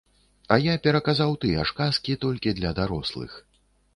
А я пераказаў тыя ж казкі, толькі для дарослых.